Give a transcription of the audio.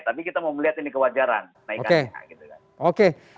tapi kita mau melihat ini kewajaran naikannya gitu kan